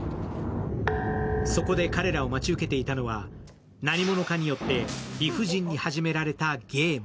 そこで彼らを待ち受けていたのは何者かによって理不尽に始められたゲーム。